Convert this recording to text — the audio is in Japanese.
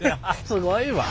すごいわ。